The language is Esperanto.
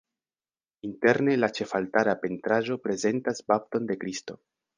Interne la ĉefaltara pentraĵo prezentas bapton de Kristo.